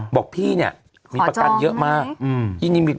บอกพี่เนี่ยมีประกันเยอะมาก